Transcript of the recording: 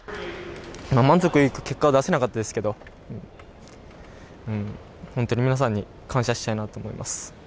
満足いく結果は出せなかったですけど、本当に皆さんに感謝したいなと思います。